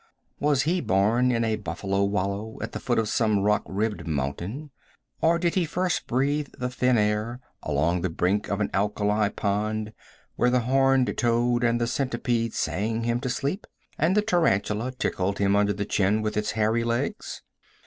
Was he born in a buffalo wallow at the foot of some rock ribbed mountain, or did he first breathe the thin air along the brink of an alkali pond, where the horned toad and the centipede sang him to sleep, and the tarantula tickled him under the chin with its hairy legs?